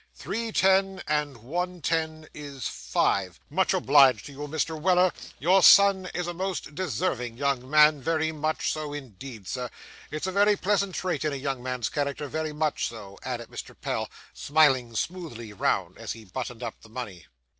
'Three ten and one ten is five. Much obliged to you, Mr. Weller. Your son is a most deserving young man, very much so indeed, Sir. It's a very pleasant trait in a young man's character, very much so,' added Mr. Pell, smiling smoothly round, as he buttoned up the money.